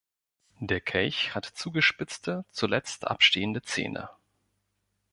Der Kelch hat zugespitzte, zuletzt abstehende Zähne.